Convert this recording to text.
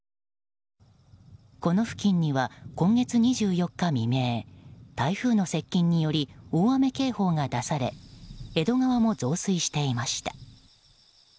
この付近には今月２４日未明台風の接近により大雨警報が出され江戸川も増水していました。